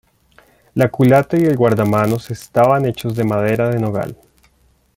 La culata y el guardamanos estaban hechos de madera de nogal.